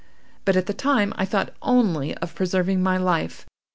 But at the time, I thought only of preserving my life.